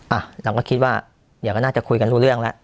อ่ะเราก็คิดว่าเดี๋ยวก็น่าจะคุยกันรู้เรื่องแล้ว